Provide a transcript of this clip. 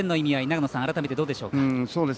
長野さん、改めてどうでしょうか。